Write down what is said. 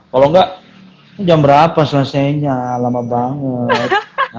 kalau enggak itu jam berapa selesainya lama banget